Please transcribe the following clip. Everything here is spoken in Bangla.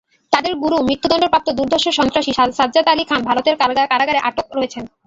তাঁদের গুরু মৃত্যুদণ্ডপ্রাপ্ত দুর্ধর্ষ সন্ত্রাসী সাজ্জাদ আলী খান ভারতের কারাগারে আটক রয়েছেন।